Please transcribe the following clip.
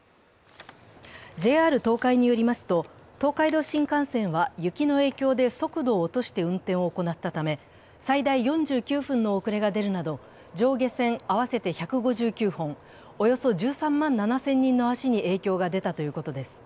ＪＲ東海によりますと東海道新幹線は雪の影響で速度を落として運転を行ったため、最大４９分の遅れが出るなど、上下線合わせて１５９本、およそ１３万７０００人の足に影響が出たということです。